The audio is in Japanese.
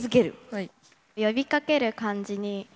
はい。